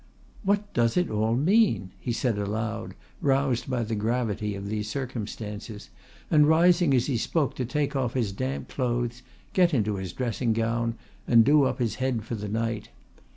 What does it all mean?" he said aloud, roused by the gravity of these circumstances, and rising as he spoke to take off his damp clothes, get into his dressing gown, and do up his head for the night.